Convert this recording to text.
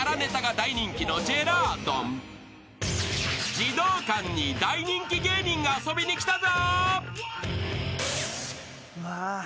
［児童館に大人気芸人が遊びに来たぞ］